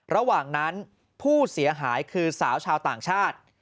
ระหว่างนั้นผู้เสียหายคือสาวชาวต่างชาติ